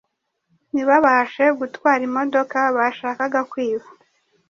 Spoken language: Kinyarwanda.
ntibabashe gutwara imodoka bashakaga kwiba